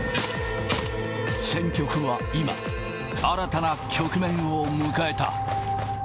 戦局は今、新たな局面を迎えた。